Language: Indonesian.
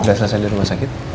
sudah selesai di rumah sakit